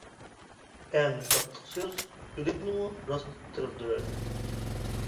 ئەڭ تاتلىق سۆز ئۆلۈكنىمۇ راست تىرىلدۈرەر.